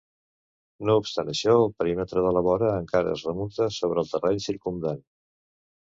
No obstant això, el perímetre de la vora encara es remunta sobre el terreny circumdant.